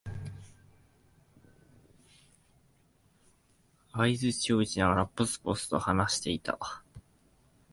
相づちを打ちながら、ぽつぽつと話していた。